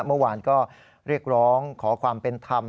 เมื่อวานก็เรียกร้องขอความเป็นธรรม